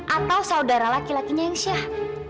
atau saudara laki lakinya yang syah